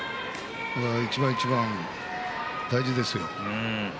だから一番一番大事ですよ。